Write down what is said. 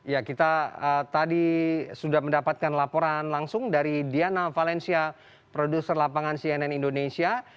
ya kita tadi sudah mendapatkan laporan langsung dari diana valencia produser lapangan cnn indonesia